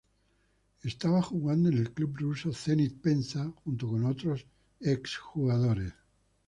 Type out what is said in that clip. Estaba jugando en el club ruso Zenit Penza junto con otros ex jugadores.